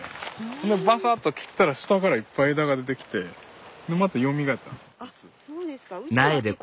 バサッと切ったら下からいっぱい枝が出てきてまたよみがえったんです。